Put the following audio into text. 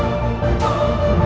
masih masih yakin